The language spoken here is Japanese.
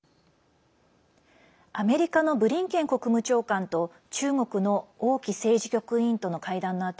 アメリカのブリンケン国務長官と中国の王毅政治局委員との会談のあと